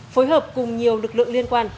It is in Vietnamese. phối hợp cùng nhiều lực lượng liên quan